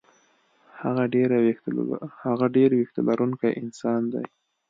هغه ډېر وېښته لرونکی انسان دی.